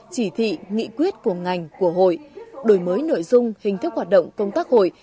chỉ thị nghị quyết của ngành của hội đổi mới nội dung hình thức hoạt động công tác hội